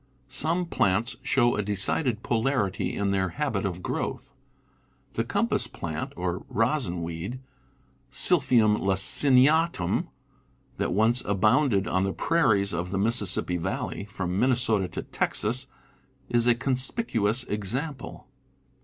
Some plants show a decided polarity in their habit of growth. The compass plant or rosin weed {Sil p phium laciniatum) that once abounded p^ on the prairies of the Mississippi valley, from Minnesota to Texas, is a con spicuous example.